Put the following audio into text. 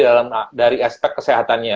dari aspek kesehatannya